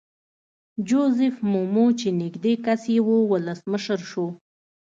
جوزیف مومو چې نږدې کس یې وو ولسمشر شو.